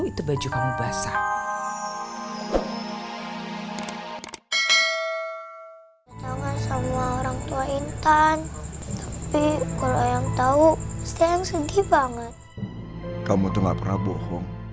itu baju kamu basah